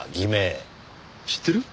知ってる？